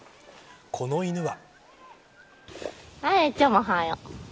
この犬は。